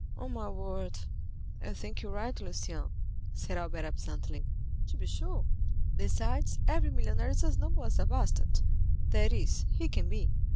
"On my word, I think you are right, Lucien," said Albert absently. "To be sure; besides, every millionaire is as noble as a bastard—that is, he can be."